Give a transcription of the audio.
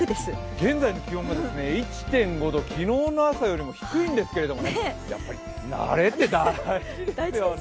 現在の気温が１．５度昨日の朝より低いんですけれどもやっぱり、慣れって大事ですよね。